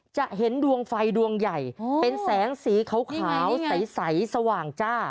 จะเห็นดวงไฟดวงใหญ่เป็นแสงสีขาวใสสว่างจ้า